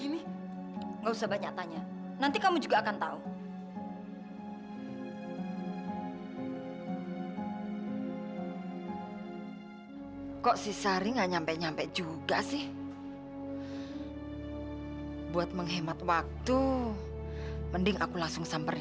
ngapain sih gak aku pakai baju hitam hitam kayak gini